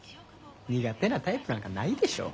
苦手なタイプなんかないでしょ。